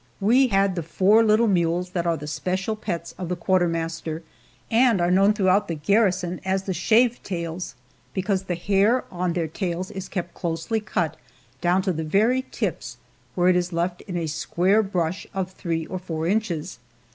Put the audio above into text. We had the four little mules that are the special pets of the quartermaster, and are known throughout the garrison as the "shaved tails," because the hair on their tails is kept closely cut down to the very tips, where it is left in a square brush of three or four inches.